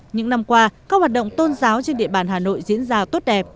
những năm qua các hoạt động tôn giáo trên địa bàn hà nội diễn ra tốt đẹp